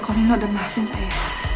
kalau nino udah maafin saya